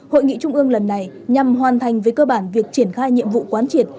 hội nghị trung ương lần này nhằm hoàn thành với cơ bản việc triển khai nhiệm vụ quán triệt